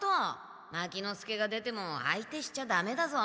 牧之介が出ても相手しちゃダメだぞ。